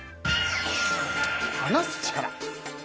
話す力。